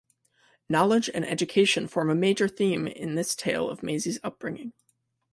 Knowledge and education form a major theme in this tale of Maisie's upbringing.